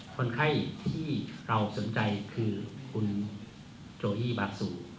คนไข้ที่เราสนใจคือคุณโจอี้บาซู